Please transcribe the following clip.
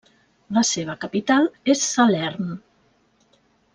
La seva capital és Salern.